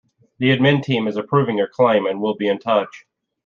The admin team is approving your claim and will be in touch.